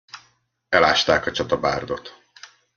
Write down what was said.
Elásták a csatabárdot.